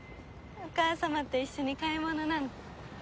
お母様と一緒に買い物なんて。